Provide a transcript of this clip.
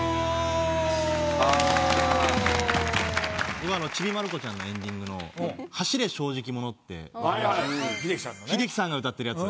僕は『ちびまる子ちゃん』のエンディングの『走れ正直者』って秀樹さんが歌ってるやつ。